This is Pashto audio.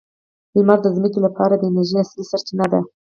لمر د ځمکې لپاره د انرژۍ اصلي سرچینه ده.